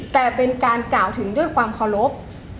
แต่เป็นการกล่าวถึงด้วยความเคารพ